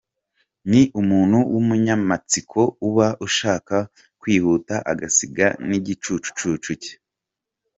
Ni umuntu w’umunyamatsiko uba ushaka kwihuta agasiga n’igicicucu cye.